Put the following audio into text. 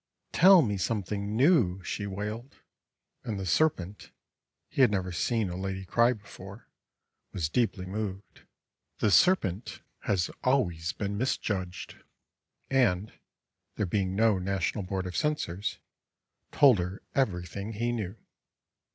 "Tell me something new!" she wailed, and the Serpent—he had never seen a lady cry before—was deeply moved (the Serpent has always been misjudged) and—there being no National Board of Censors—told her everything he knew.